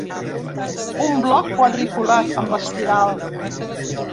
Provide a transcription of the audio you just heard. Un bloc quadriculat, amb espiral.